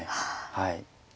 はい。